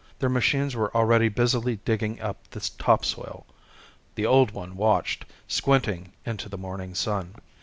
Their machines were already busily digging up the topsoil. The Old One watched, squinting into the morning sun.